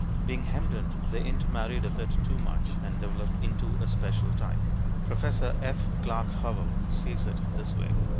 Being hemmed in, they intermarried a bit too much and developed into a special type. Professor F. Clark Howell sees it this way.